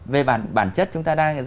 về bản chất